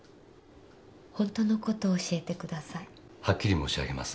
ホントのこと教えてくださいはっきり申し上げます。